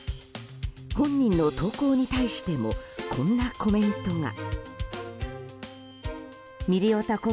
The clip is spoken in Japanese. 本人の投稿に対してもこんなコメントが。